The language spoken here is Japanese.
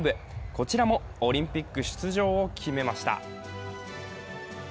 こちらもオリンピック出場を決めました。